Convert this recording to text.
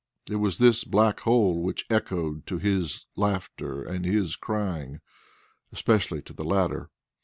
It was this black hole which echoed to his laughter and his crying, especially to the latter.